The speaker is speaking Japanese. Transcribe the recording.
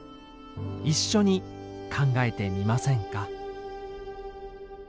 一緒に考えてみませんか？